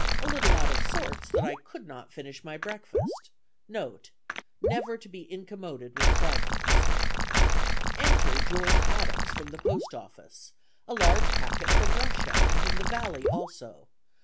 A little out of sorts that I could not finish my breakfast. Note: never to be incommoded with trifles. "Enter George Adams, from the post office, a large packet from Russia, and from the valley also.